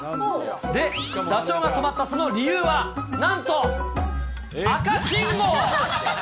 で、ダチョウが止まったその理由は、なんと赤信号。